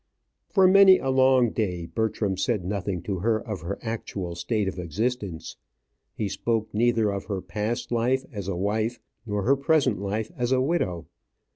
For many a long day Bertram said nothing to her of her actual state of existence. He spoke neither of her past life as a wife nor her present life as a widow.